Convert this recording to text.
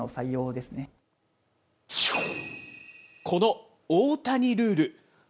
この大谷ルール。